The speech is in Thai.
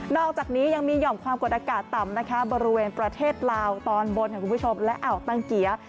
อกจากนี้ยังมีห่อมความกดอากาศต่ำนะคะบริเวณประเทศลาวตอนบนค่ะคุณผู้ชมและอ่าวตังเกียร์